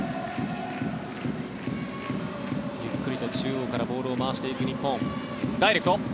ゆっくりと中央からボールを回していく日本。